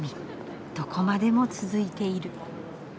どこまでも続いている。